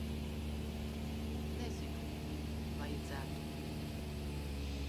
Nezinu. Vajadzētu.